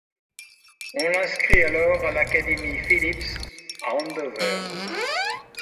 On l'inscrit alors à l'académie Phillips, à Andover.